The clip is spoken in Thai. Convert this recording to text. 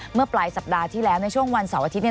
เมื่อปลายสัปดาห์ที่แล้วในช่วงวันเสาร์อาทิตย์เนี่ย